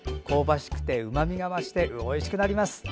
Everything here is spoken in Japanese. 香ばしくてうまみが増しておいしくなります。